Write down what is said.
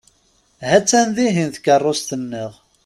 Ha-tt-an dihin tkeṛṛust-nneɣ.